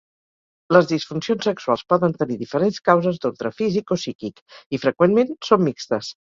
Les disfuncions sexuals poden tenir diferents causes d'ordre físic o psíquic i, freqüentment, són mixtes.